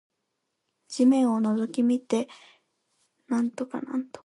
地面を覗き見て植生や地理を知り、空を仰ぎ見て天文や気象を勉強すること。